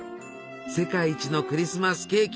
「世界一のクリスマスケーキ」。